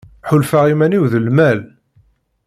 Ḥulfaɣ iman-iw d lmal.